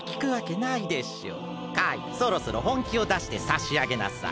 カイそろそろほんきをだしてさしあげなさい。